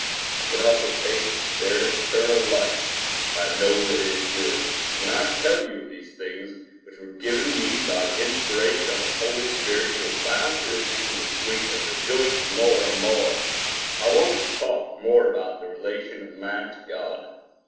I can also taste the spirit of eternal life. I know it is good; and when I tell you of these things which were given me by inspiration of the Holy Spirit, you are bound to receive them as sweet, and rejoice more and more. The Relation of Man to God[edit] I want to talk more of the relation of man to God.